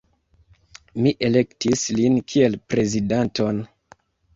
Mi elektis lin kiel prezidanton.